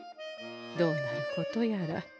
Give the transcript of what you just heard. どうなることやら。